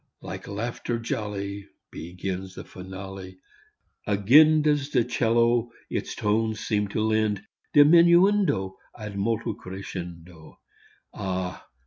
Like laughter jolly Begins the finale; Again does the 'cello its tones seem to lend Diminuendo ad molto crescendo. Ah!